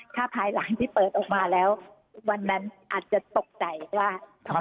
ถ้าภายหลังที่เปิดออกมาแล้ววันนั้นอาจจะตกใจว่า